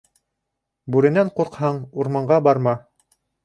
Бүренән ҡурҡһаң, урманға барма.